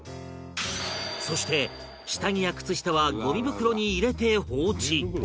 そして下着や靴下はゴミ袋に入れて放置